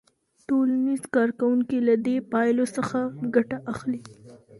ټولنیز کارکوونکي له دې پایلو څخه ګټه اخلي.